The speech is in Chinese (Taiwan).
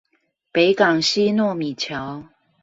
北港溪糯米橋